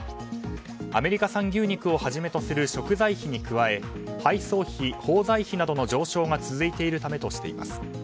アメリカ産牛肉をはじめとする食材費に加え配送費、法財費などの上昇が続いているためとしています。